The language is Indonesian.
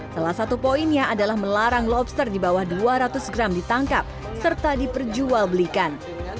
salah satu poinnya adalah melarang lobster di bawah dua ratus gram ditangkap serta diperjual belikan